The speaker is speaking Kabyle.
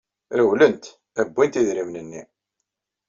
Rewlent, wwint idrimen-nni.